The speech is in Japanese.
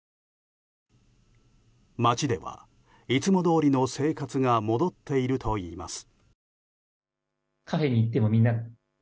街では、いつもどおりの生活が戻っているといいます。